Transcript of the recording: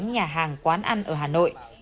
nhỏ lẻ cho đến nhà hàng quán ăn ở hà nội